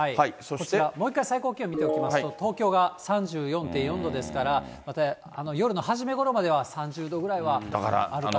もう一回最高気温見ておきますと、東京が３４．４度ですから、夜の初めごろまでは３０度ぐらいはあるかなと。